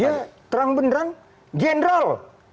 dia terang beneran general